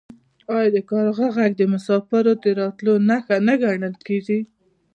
آیا د کارغه غږ د مسافر د راتلو نښه نه ګڼل کیږي؟